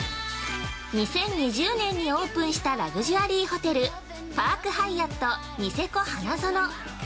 ◆２０２０年にオープンしたラグジュアリーホテル「パークハイアットニセコＨＡＮＡＺＯＮＯ」